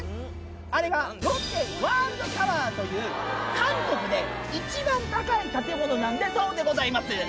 あれがロッテワールドタワーという韓国で一番高い建物なんだそうでございます。